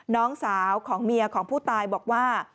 น้องสาวของเมียของผู้ตายบอกว่า